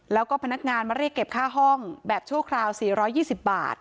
แล้วก็พนักงานมาเรียกเก็บค่าห้องแบบชั่วคราว๔๒๐บาท